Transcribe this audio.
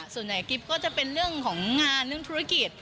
กิ๊บก็จะเป็นเรื่องของงานเรื่องธุรกิจ